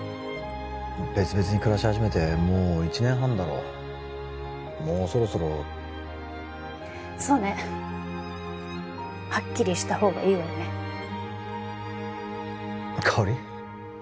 別々に暮らし始めてもう１年半だろもうそろそろそうねはっきりした方がいいわよね香織？